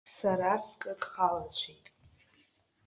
Сара скыдхалацәеит.